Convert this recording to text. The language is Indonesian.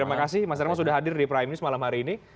terima kasih mas darma sudah hadir di prime news malam hari ini